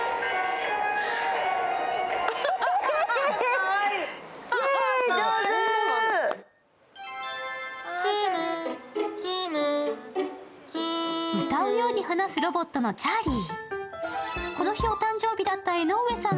かわいい歌うように話すロボットのチャーリー。